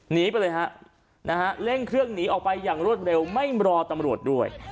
หนีไปเลยฮะนะฮะเร่งเครื่องหนีออกไปอย่างรวดเร็วไม่รอตำรวจด้วย